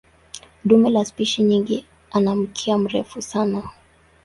Dume la spishi nyingi ana mkia mrefu sana.